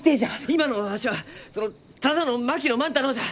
今のわしはそのただの槙野万太郎じゃ！